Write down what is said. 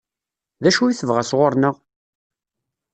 D acu i tebɣa sɣur-neɣ?